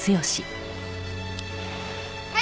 はい！